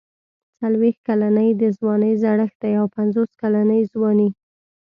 څلوېښت کلني د ځوانۍ زړښت دی او پنځوس کلني ځواني.